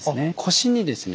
腰にですね